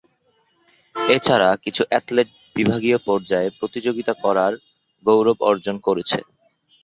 এছাড়া কিছু অ্যাথলেট বিভাগীয় পর্যায়ে প্রতিযোগিতা করার গৌরব অর্জন করেছে।